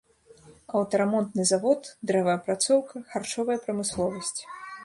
Аўтарамонтны завод, дрэваапрацоўка, харчовая прамысловасць.